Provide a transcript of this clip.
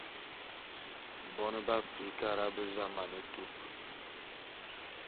Bone be Afrikara be za mane tup.